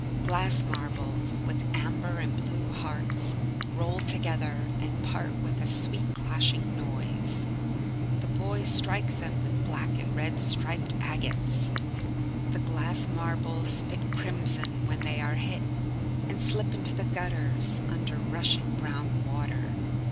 Glass marbles, with amber and blue hearts, roll together and part with a sweet clashing noise. The boys strike them with black and red striped agates. The glass marbles spit crimson when they are hit, and slip into the gutters under rushing brown water.